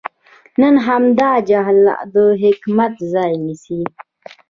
نن همدا جهل د حکمت ځای نیسي.